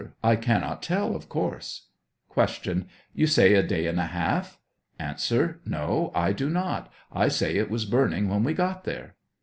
I cannot tell, of course. Q. You say a day and a half? A. No, I do not; I say it was burning when we got there.